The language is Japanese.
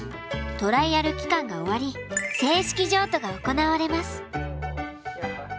トライアル期間が終わり正式譲渡が行われます。